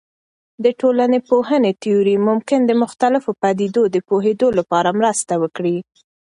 د ټولنپوهنې تیورۍ ممکن د مختلفو پدیدو د پوهیدو لپاره مرسته وکړي.